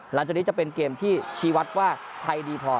หลังจากนี้จะเป็นเกมที่ชี้วัดว่าไทยดีพอ